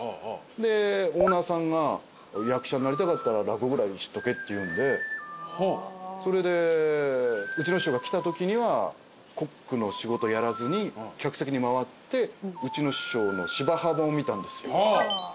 でオーナーさんが役者になりたかったら落語くらい知っとけって言うんでそれでうちの師匠が来たときにはコックの仕事やらずに客席に回ってうちの師匠の『芝浜』を見たんですよ。